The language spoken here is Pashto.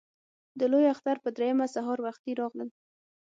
د لوی اختر په درېیمه سهار وختي راغلل.